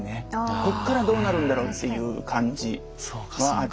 こっからどうなるんだろうっていう感じはあって。